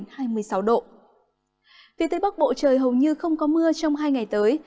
phía tây bắc bộ trời hầu như không có mưa trong hai ngày tới